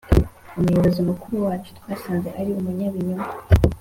umuyobozi mukuru wacu twasanze ari umunyabinyoma